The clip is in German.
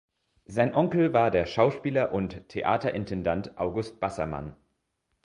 Sein Onkel war der Schauspieler und Theaterintendant August Bassermann.